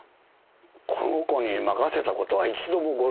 この子に任せた事は一度もございませんが。